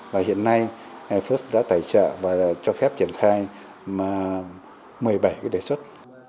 và hiện nay first đã tài trợ và cho phép triển khai một mươi bảy cái đề xuất